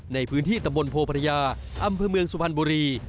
ในพื้นที่ตำบลโพพระยาอำเภอเมืองสุพรรณบุรี